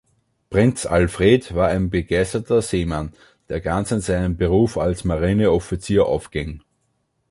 Prinz Alfred war ein begeisterter Seemann, der ganz in seinem Beruf als Marineoffizier aufging.